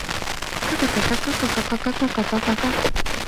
杨经文也有几项关于排风系统的专利在申请中。